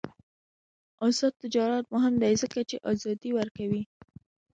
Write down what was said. آزاد تجارت مهم دی ځکه چې ازادي ورکوي.